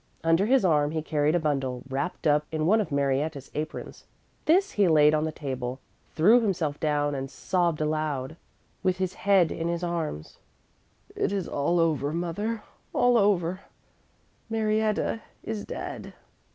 Under his arm he carried a bundle wrapped up in one of Marietta's aprons. This he laid on the table, threw himself down and sobbed aloud, with his head in his arms: "It is all over, mother, all over; Marietta is dead!"